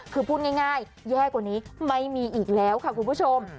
คือพูดง่ายแย่กว่านี้ไม่มีอีกแล้วค่ะคุณผู้ชม